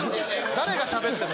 誰がしゃべってるの？